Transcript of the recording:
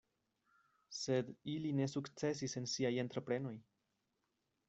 Sed ili ne sukcesis en siaj entreprenoj.